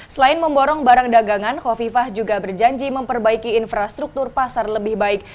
selain memborong barang dagangan kofifah juga berjanji memperbaiki infrastruktur pasar lebih baik